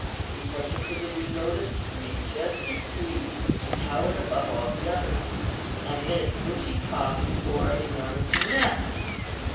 He particularly noticed a majestic tree which towered above all the others, and in its bushy top bore an enormous nest.